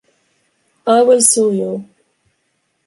I will sue you.